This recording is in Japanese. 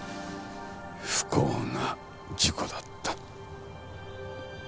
不幸な事故だった。